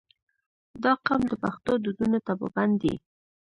• دا قوم د پښتو دودونو ته پابند دی.